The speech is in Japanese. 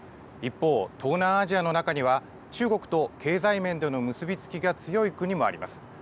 一方、東南アジアの中には中国と経済面での結び付きが強い国もあります。